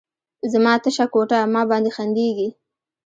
زما تشه کوټه، ما باندې خندیږې